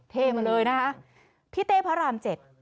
เทมาเลยนะคะพี่เต้พระรามเจ็ด